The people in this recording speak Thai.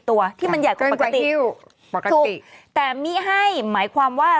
แต่มิให้หมายความว่า